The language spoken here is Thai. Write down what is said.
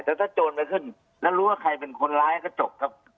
แต่ถ้าโจรไปขึ้นแล้วรู้ว่าใครเป็นคนร้ายก็จบครับ